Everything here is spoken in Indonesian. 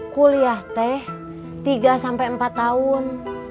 kuliah teh tiga sampai empat tahun